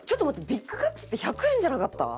ビッグカツって１００円じゃなかった？